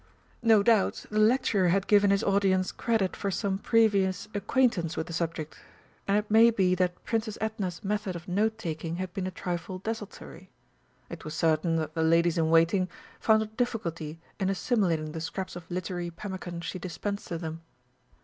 No doubt the lecturer had given his audience credit for some previous acquaintance with the subject, and it may be that Princess Edna's method of note taking had been a trifle desultory; it was certain that the ladies in waiting found a difficulty in assimilating the scraps of literary pemmican she dispensed to them.